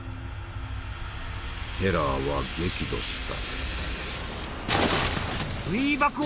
テラーは激怒した。